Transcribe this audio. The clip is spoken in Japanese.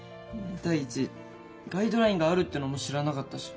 第一ガイドラインがあるってのも知らなかったし。